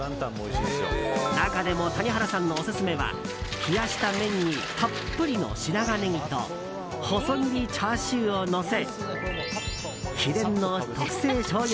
中でも谷原さんのオススメは冷やした麺にたっぷりの白髪ネギと細切りチャーシューをのせ秘伝の特製しょうゆ